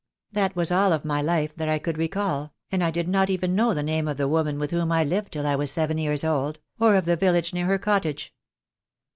That was all of my life that I could recall, and I did not even know the name of the THE DAY WILL COME. 2$*} woman with whom I lived till I was seven years old, or of the village near her cottage."